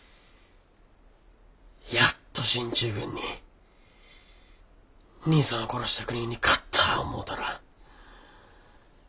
やっと進駐軍に兄さんを殺した国に勝った思うたら。